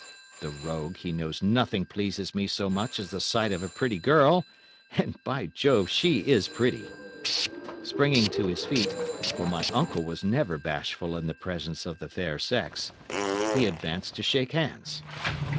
The rogue, he knows nothing pleases me so much as the sight of a pretty girl, and, by Jove, she is pretty!' Springing to his feet—for my uncle was never bashful in the presence of the fair sex—he advanced to shake hands.